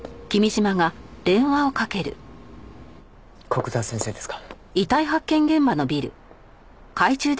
古久沢先生ですか？